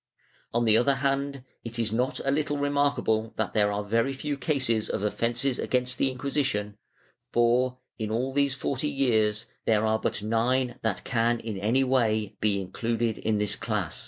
On the other hand it is not a little remarkable that there are very few cases of offences against the Inquisition, for, in all these forty years, there are but nine that can in any way be included in this class.